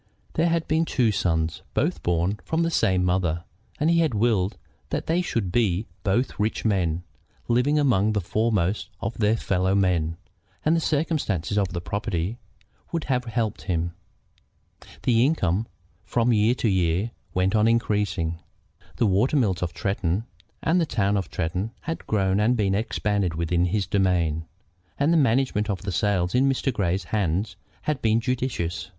There had been the two sons, both born from the same mother, and he had willed that they should be both rich men, living among the foremost of their fellowmen, and the circumstances of the property would have helped him. The income from year to year went on increasing. The water mills of Tretton and the town of Tretton had grown and been expanded within his domain, and the management of the sales in Mr. Grey's hands had been judicious.